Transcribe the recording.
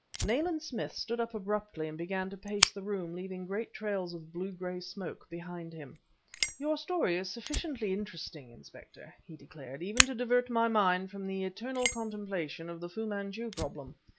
Nayland Smith stood up abruptly and began to pace the room, leaving great trails of blue gray smoke behind him. "Your story is sufficiently interesting, Inspector," he declared, "even to divert my mind from the eternal contemplation of the Fu Manchu problem.